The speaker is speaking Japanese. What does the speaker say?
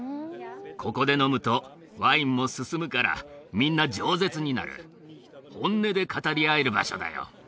ここで飲むとワインも進むからみんなじょう舌になる本音で語り合える場所だよ